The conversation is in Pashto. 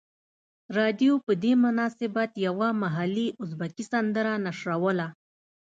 رادیو په دې مناسبت یوه محلي ازبکي سندره نشروله.